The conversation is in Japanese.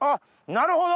なるほど！